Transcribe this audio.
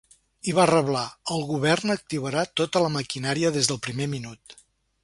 I va reblar: El govern activarà tota la maquinària des del primer minut.